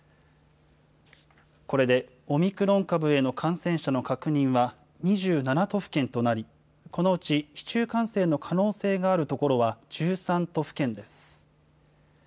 これでオミクロン株への感染者の確認は２７都府県となり、このうち市中感染の可能性がある所は１３都府県です。